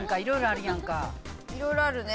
いろいろあるね。